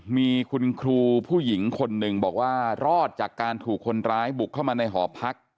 มีคุณครูผู้หญิงคนหนึ่งบอกว่ารอดจากการถูกคนร้ายบุกเข้ามาในหอพัก